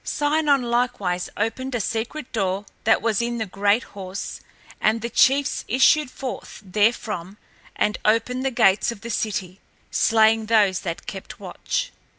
Sinon likewise opened a secret door that was in the great horse and the chiefs issued forth therefrom and opened the gates of the city, slaying those that kept watch.